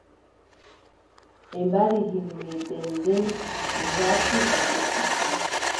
Ɓe mbari yimɓe. Nden, nde ɓen garti ɓe deʼiti.